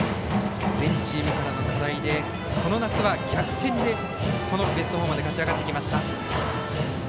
前チームからの課題でこの夏は逆転でベスト４まで勝ち上がってきました。